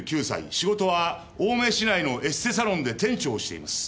仕事は青梅市内のエステサロンで店長をしています。